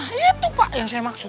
nah ya tuh pak yang saya maksud